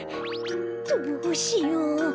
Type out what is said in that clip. どうしよう？